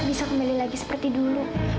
bisa kembali lagi seperti dulu